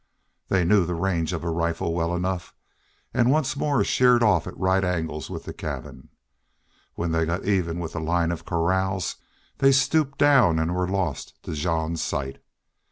They knew the range of a rifle well enough, and once more sheered off at right angles with the cabin. When they got even with the line of corrals they stooped down and were lost to Jean's sight.